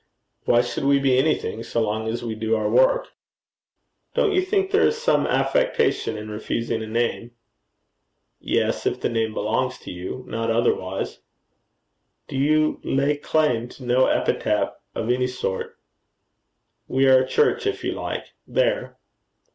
'Why should we be anything, so long as we do our work?' 'Don't you think there is some affectation in refusing a name?' 'Yes, if the name belongs to you? Not otherwise.' 'Do you lay claim to no epithet of any sort?' 'We are a church, if you like. There!'